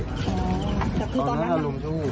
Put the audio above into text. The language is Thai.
ตอนนั้นเราลงชั่ววูบ